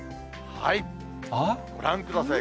ご覧ください。